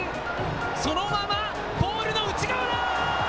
そのままポールの内側だ。